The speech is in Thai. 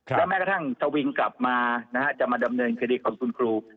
และแม้กระทั่งทวิงกลับมาจะมาดำเนินคดีกับคุณครู